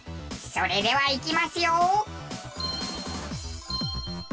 それではいきますよ。